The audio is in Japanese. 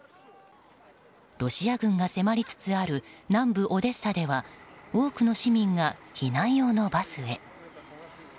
ロシア軍が迫りつつある南部オデッサでは多くの市民が避難用のバスへ。